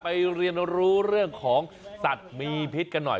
เรียนรู้เรื่องของสัตว์มีพิษกันหน่อย